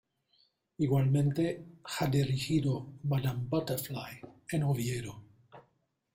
Igualmente ha dirigido Madama Butterfly en Oviedo.